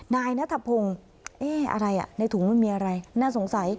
นายนัทพงศ์เอ๊ะอะไรอ่ะในถุงมันมีอะไรน่าสงสัย